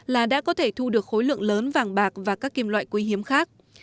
là đã có thể thu được khối lượng lớn vàng bạc và các kim loại quý hiếm khác